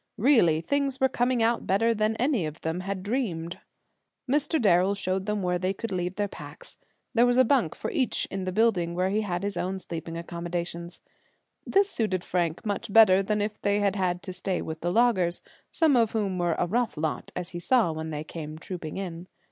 Really, things were coming out better than any of them had dreamed. Mr. Darrel showed them where they could leave their packs. There was a bunk for each in the building where he had his own sleeping accommodations. This suited Frank much better than if they had had to stay with the loggers, some of whom were a rough lot, as he saw when they came trooping in.